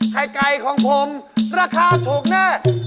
ไกล์ไก่อายุของผมราคาถูกต้องแน่